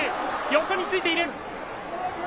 横についている。